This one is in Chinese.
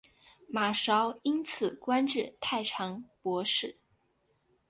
马韶因此官至太常博士。